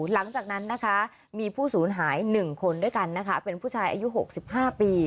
หลังจากนั้นนะคะมีผู้สูญหาย๑คนด้วยกันนะคะเป็นผู้ชายอายุ๖๕ปี